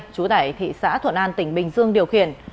chú tại thị xã thuận an tỉnh bình dương điều khiển